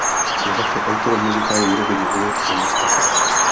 Je také autorem muzikálů "Robin Hood" a "Mustafa".